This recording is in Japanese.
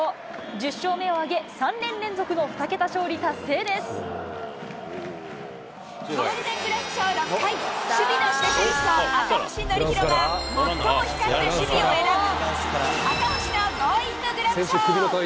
１０勝目を挙げ、ゴールデングラブ賞６回、守備のスペシャリスト、赤星憲広が、最も光った守備を選ぶ赤星のゴーインググラブ賞。